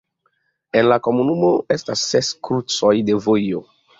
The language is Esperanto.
En la komunumo estas ses krucoj de vojo.